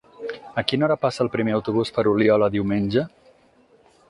A quina hora passa el primer autobús per Oliola diumenge?